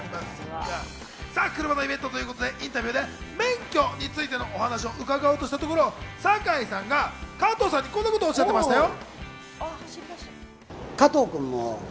車のイベントということで、インタビューで免許についての話を伺おうとしたところ、堺さんが加藤さんにこんなことをおっしゃってましたよ。